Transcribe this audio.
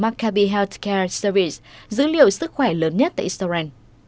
maccabi healthcare service dữ liệu sức khỏe lớn nhất tại sorrent